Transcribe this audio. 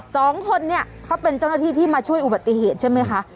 สองคนเนี่ยเขาเป็นเจ้าหน้าที่ที่มาช่วยอุบัติเหตุใช่ไหมคะ